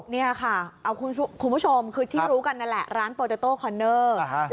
นี่ค่ะเอาคุณผู้ชมคือที่รู้กันนั่นแหละร้านโปรโต้คอนเนอร์